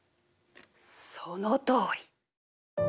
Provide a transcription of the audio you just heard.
そのとおり。